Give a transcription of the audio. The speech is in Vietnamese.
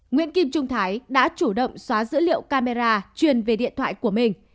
nguyễn kim trung thái đã chủ động xóa dữ liệu camera truyền về điện thoại của mình